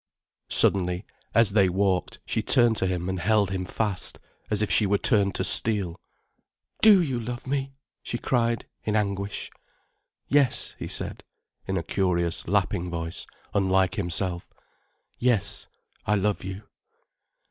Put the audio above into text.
Suddenly, as they walked, she turned to him and held him fast, as if she were turned to steel. "Do you love me?" she cried in anguish. "Yes," he said, in a curious, lapping voice, unlike himself. "Yes, I love you."